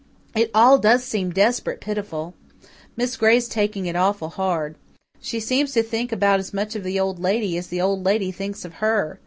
It all does seem desperate pitiful. Miss Gray's taking it awful hard. She seems to think about as much of the Old Lady as the Old Lady thinks of her.